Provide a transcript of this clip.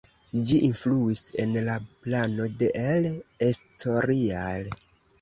Ĝi influis en la plano de El Escorial.